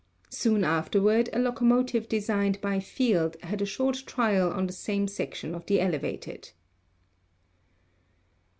Soon afterward a locomotive designed by Field had a short trial on the same section of the elevated.